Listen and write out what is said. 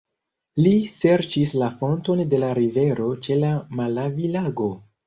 Li serĉis la fonton de la rivero ĉe la Malavi-lago.